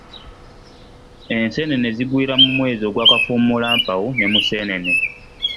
Enseenene zigwira mu mwezi ogwa Kafuumulampawu ne Museenene.